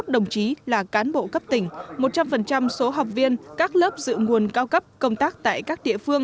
hai mươi đồng chí là cán bộ cấp tỉnh một trăm linh số học viên các lớp dự nguồn cao cấp công tác tại các địa phương